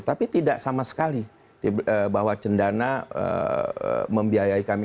tapi tidak sama sekali bahwa cendana membiayai kami